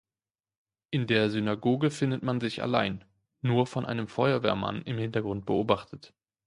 In der Synagoge findet man sich allein, nur von einem Feuerwehrmann im Hintergrund beobachtet.